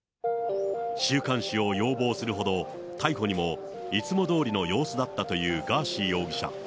週刊誌を要望するほど、逮捕にもいつもどおりの様子だったというガーシー容疑者。